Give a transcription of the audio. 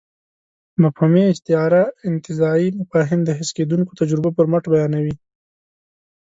مفهومي استعاره انتزاعي مفاهيم د حس کېدونکو تجربو پر مټ بیانوي.